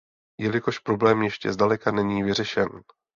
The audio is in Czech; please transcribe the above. Jelikož problém ještě zdaleka není vyřešen.